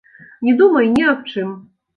Не думай ні аб чым.